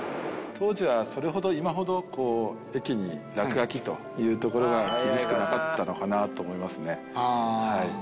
当時はそれほど今ほど駅に落書きというところが厳しくなかったのかなと思いますねはい。